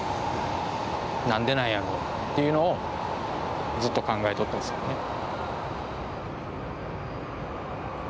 何でなんやろうっていうのをずっと考えとったんですよね。